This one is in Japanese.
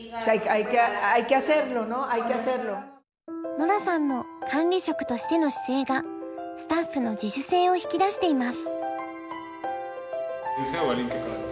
ノラさんの管理職としての姿勢がスタッフの自主性を引き出しています。